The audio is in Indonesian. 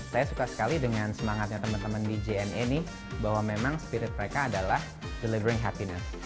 saya suka sekali dengan semangatnya teman teman di jna nih bahwa memang spirit mereka adalah delivering happinner